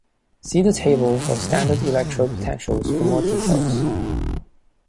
See the "table" of standard electrode potentials for more details.